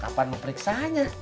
kapan lo periksanya